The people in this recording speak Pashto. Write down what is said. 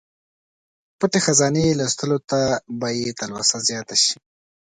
پټې خزانې لوستلو ته به یې تلوسه زیاته شي.